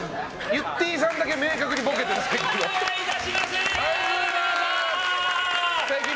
ゆってぃさんだけ明確にボケてた。